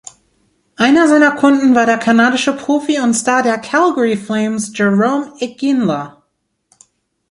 Einer seiner Kunden war der kanadische Profi und Star der Calgary Flames Jarome Iginla.